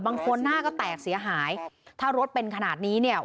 บางคนหน้าก็แตกเสียหายถ้ารถเป็นขนาดนี้เนี่ย